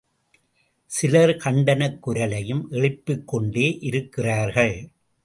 சிலர் கண்டனக் குரலையும் எழும்பிக்கொண்டே இருக்கிறார்கள்.